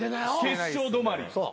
決勝止まり。